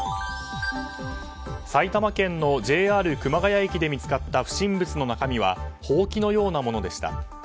埼玉県のＪＲ熊谷駅で見つかった不審物の中身はほうきのようなものでした。